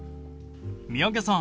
三宅さん